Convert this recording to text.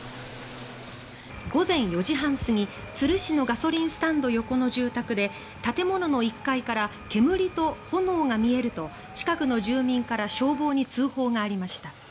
午前４時半過ぎ、都留市のガソリンスタンド横の住宅で建物の１階から煙と炎が見えると近くの住民から消防に通報がありました。